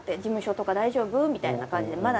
事務所とか大丈夫？みたいな感じで。